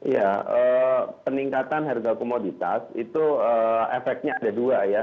ya peningkatan harga komoditas itu efeknya ada dua ya